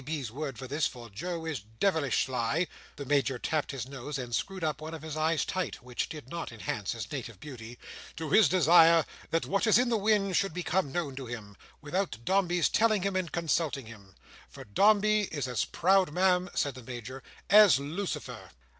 B."s word for this; for Joe is devilish sly"—the Major tapped his nose, and screwed up one of his eyes tight: which did not enhance his native beauty—"to his desire that what is in the wind should become known to him" without Dombey's telling and consulting him. For Dombey is as proud, Ma'am," said the Major, "as Lucifer."